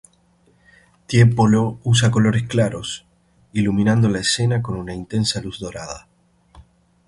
Tiepolo usa colores claros, iluminando la escena con una intensa luz dorada.